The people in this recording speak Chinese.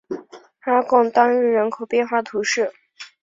阿贡当日人口变化图示